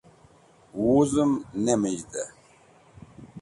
Wuzem Nemenjde